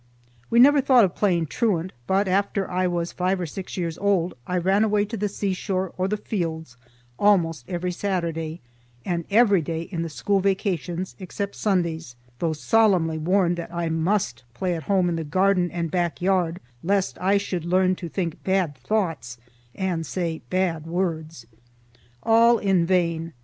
We never thought of playing truant, but after I was five or six years old I ran away to the seashore or the fields almost every Saturday, and every day in the school vacations except Sundays, though solemnly warned that I must play at home in the garden and back yard, lest I should learn to think bad thoughts and say bad words. All in vain.